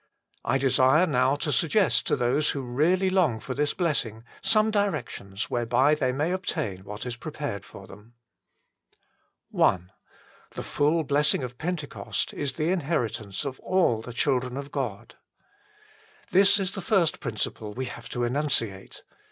I desire now to suggest to those who really long for this blessing some directions whereby they may obtain what is prepared for them. I The full blessing of Pentecost is the inheritance of all the children of God. This is the first principle we have to enun ciate.